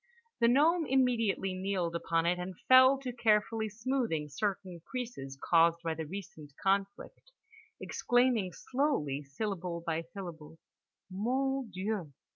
The gnome immediately kneeled upon it and fell to carefully smoothing certain creases caused by the recent conflict, exclaiming slowly syllable by syllable: "Mon Dieu.